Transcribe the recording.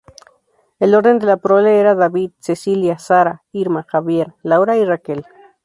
El orden de la prole era David, Cecilia, Sara, Irma, Javier, Laura y Raquel.